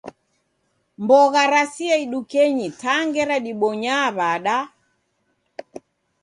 Mbogha rasia idukenyi ta ngera dibonyaa w'ada